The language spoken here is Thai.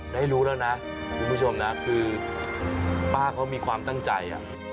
ได้รู้แล้วนะคุณผู้ชมนะคือป้าเขามีความตั้งใจ